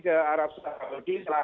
ke arab saudi